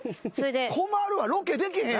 困るわロケでけへんやん。